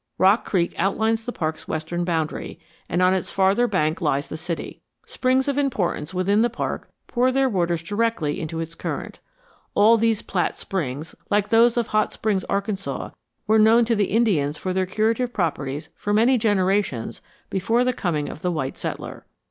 Rock Creek outlines the park's western boundary, and on its farther bank lies the city. Springs of importance within the park pour their waters directly into its current. All these Platt springs, like those of Hot Springs, Arkansas, were known to the Indians for their curative properties for many generations before the coming of the white settler.